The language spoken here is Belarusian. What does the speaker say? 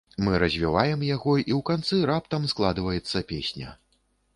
Мы развіваем яго і ў канцы раптам складваецца песня.